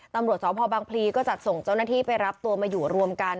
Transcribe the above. ตำรวจสพบังพลีก็จัดส่งเจ้าหน้าที่ไปรับตัวมาอยู่รวมกัน